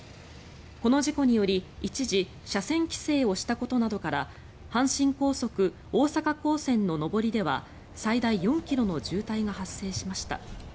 この事故により一時車線規制をしたことなどから阪神高速大阪港線の上りでは最大４ｋｍの渋滞が発生しました。